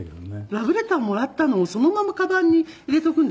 ラブレターもらったのをそのままかばんに入れておくんですよ。